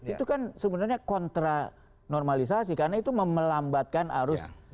itu kan sebenarnya kontra normalisasi karena itu memelambatkan arus